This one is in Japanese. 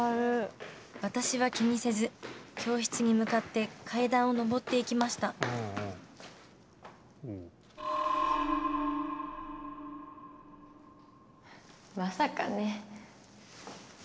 私は気にせず教室に向かって階段を上っていきましたまさかね。